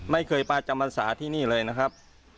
ไม่เคยประจำภาษาที่นี่เลยนะครับ